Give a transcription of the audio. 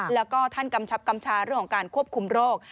แล้วก็ท่านกำชับกำชาเรื่องของการควบคุมโรค